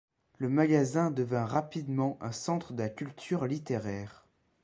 Le magasin devint rapidement un centre de la culture littéraire.